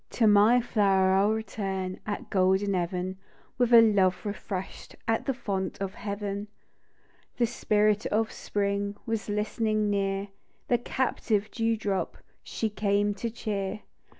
" To my flower I'll return At golden even, With a love refresh'd At the fount of heaven The Spirit of Spring Was listening near ; The captive dew drop She came to cheer